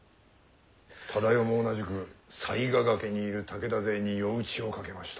忠世も同じく犀ヶ崖にいる武田勢に夜討ちをかけました。